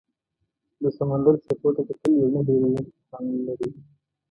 د سمندر څپو ته کتل یو نه هېریدونکی خوند لري.